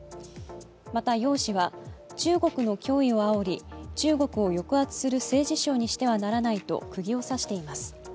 また揚氏は中国の脅威をあおり中国を抑圧する政治ショーにしてはならないとくぎを刺しています。